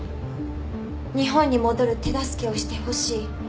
日本に戻る手助けをしてほしい。